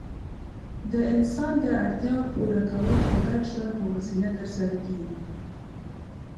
د انسان داړتیاوو پوره کول په ګډ ژوند په وسیله ترسره کيږي.